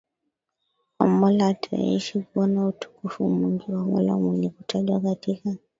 kwa Mola ataishi kuona utukufu mwingi wa Mola wenye kutajwa katika